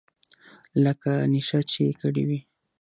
لکه نېشه چې يې کړې وي.